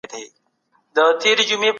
بهرنۍ نظریې زموږ په ګټه نه وې.